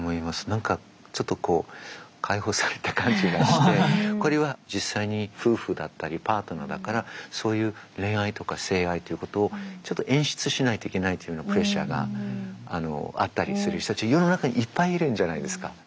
何かちょっとこう解放された感じがしてこれは実際に夫婦だったりパートナーだからそういう恋愛とか性愛ということをちょっと演出しないといけないというようなプレッシャーがあったりする人たち世の中にいっぱいいるんじゃないですか。